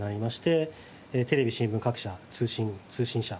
テレビ新聞各社通信社